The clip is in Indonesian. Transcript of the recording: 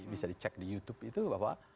bisa dicek di youtube itu bahwa